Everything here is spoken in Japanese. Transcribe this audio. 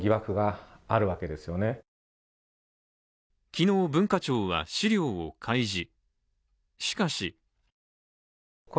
昨日、文化庁は資料を開示。